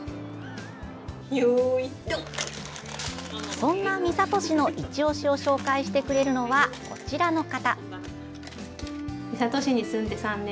そんな三郷市のいちオシを紹介してくれるのは、こちらの方。